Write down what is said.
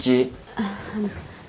あっあの。